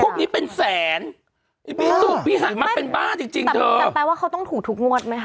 พวกนี้เป็นแสนมันเป็นบ้านจริงจริงเถอะแต่แปลว่าเขาต้องถูกถูกงวดไหมครับ